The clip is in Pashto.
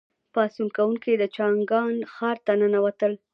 پاڅون کوونکي د چانګان ښار ته ننوتل.